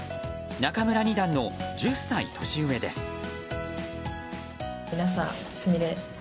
仲邑二段の１０歳年上です。